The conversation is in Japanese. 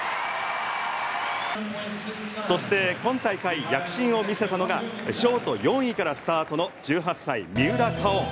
そして今大会躍進を見せたのがショート４位からスタートの１８歳三浦佳生。